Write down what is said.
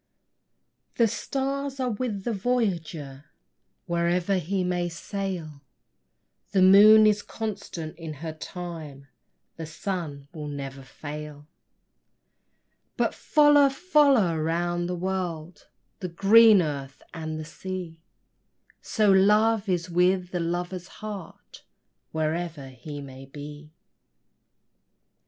The stars are with the voyager Wherever he may sail; The moon is constant to her time; The sun will never fail; But follow, follow round the world, The green earth and the sea, So love is with the lover's heart, Wherever he may be.